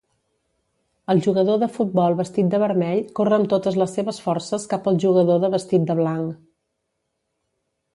El jugador de futbol vestit de vermell corre amb totes les seves forces cap al jugador de vestit de blanc.